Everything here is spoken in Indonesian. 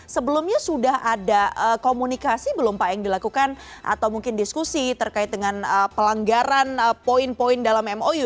sebelumnya sudah ada komunikasi belum pak yang dilakukan atau mungkin diskusi terkait dengan pelanggaran poin poin dalam mou